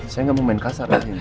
saya nggak mau main kasar lagi